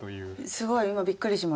すごい今びっくりしました。